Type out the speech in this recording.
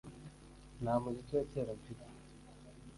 Nta muziki wa kera mfite